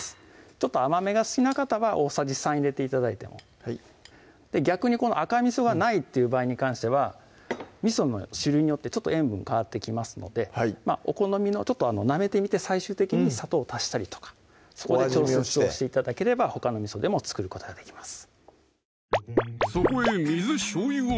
ちょっと甘めが好きな方は大さじ３入れて頂いても逆にこの赤みそがないっていう場合に関してはみその種類によってちょっと塩分変わってきますのでお好みのちょっとなめてみて最終的に砂糖を足したりとかそこで調節をして頂ければほかのみそでも作ることができます